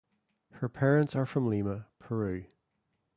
Her parents are from Lima, Peru.